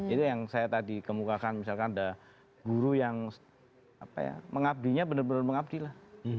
itu yang saya tadi kemukakan misalkan ada guru yang mengabdinya benar benar mengabdi lah